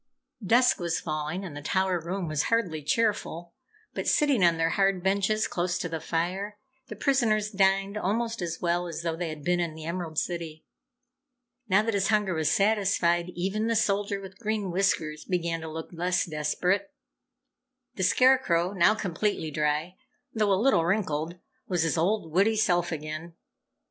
Dusk was falling and the tower room was hardly cheerful, but sitting on their hard benches close to the fire, the prisoners dined almost as well as though they had been in the Emerald City. Now that his hunger was satisfied, even the Soldier with Green Whiskers began to look less desperate. The Scarecrow, now completely dry though a little wrinkled, was his old, witty self again.